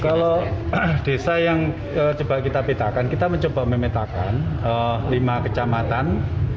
kalau desa yang coba kita petakan kita mencoba memetakan lima kecamatan